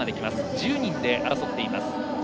１０人で争っています。